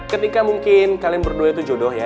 ketika mungkin kalian berdua itu jodoh ya